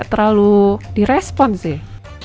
nggak terlalu direspon sih